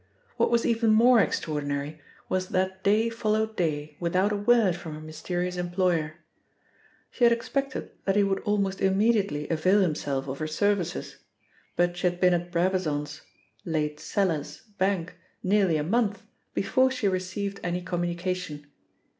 What was even more extraordinary was that day followed day without a word from her mysterious employer. She had expected that he would almost immediately avail himself of her services, but she had been at Brabazon's (late Seller's) Bank nearly a month before she received any communication.